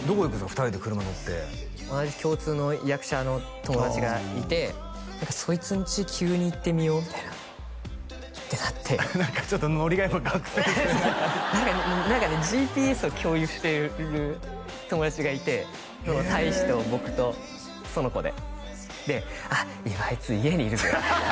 ２人で車乗って同じ共通の役者の友達がいてそいつんち急に行ってみようみたいなってなって何かちょっとノリが学生ですね何かねＧＰＳを共有してる友達がいて大志と僕とその子でで「あっ今あいつ家にいるぜ」